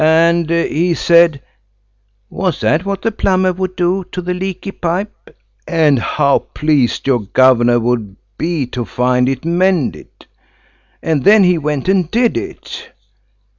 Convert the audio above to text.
And he said, 'Was that what the plumber would do to the leaky pipe?' And how pleased your governor would be to find it mended. And then he went and did it."